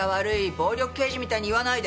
暴力刑事みたいに言わないで！